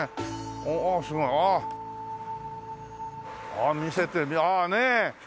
おお見せてああっねえ。